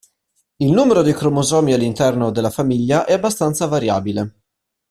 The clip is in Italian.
Il numero dei cromosomi all'interno della famiglia è abbastanza variabile.